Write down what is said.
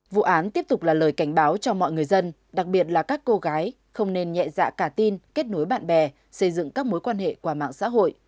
vụ án tiếp tục là lời cảnh báo cho mọi người dân đặc biệt là các cô gái không nên nhẹ dạ cả tin kết nối bạn bè xây dựng các mối quan hệ qua mạng xã hội